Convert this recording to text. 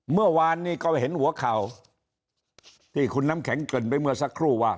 เมื่อวานนี้ก็เห็นหัวข่าวที่คุณน้ำแข็งเกริ่นไปเมื่อสักครู่ว่า